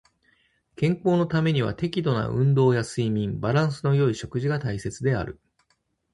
健康のためには適度な運動や睡眠、バランスの良い食事が大切である。